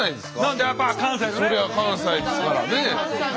そりゃ関西ですからね。